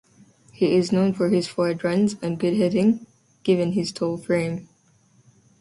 He is known for his forward runs and good heading, given his tall frame.